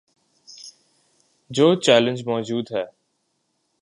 جو چیلنج موجود ہے۔